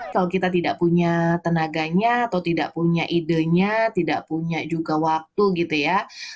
kalau kita tidak punya tenaganya atau tidak punya idenya tidak punya juga waktu gitu ya